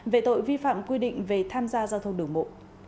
về tội vi phạm quy định về tham gia giao thông đường bộ